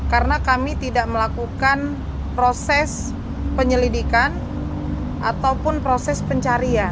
karena kami tidak melakukan proses penyelidikan ataupun proses pencarian